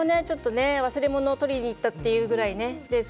ちょっとね忘れ物を取りに行ったっていうぐらいね